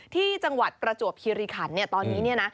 ที่จังหวัดประจวบคิริขันตอนนี้